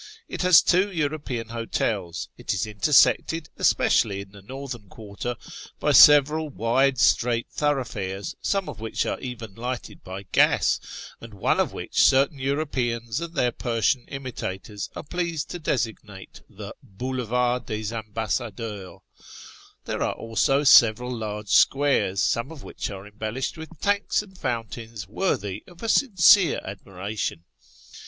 It has two European hotels ; it is intersected, especially in the northern quarter, by several wide straight thoroughfares, some of which are even lighted by gas, and one of which certain Europeans and their Persian imitators are pleased to designate the " Boulevard des Ambassadeurs." There are also several large squares, some of which are em bellished with tanks and fountains worthy of a sincere admiration.